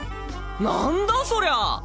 何だそりゃ！？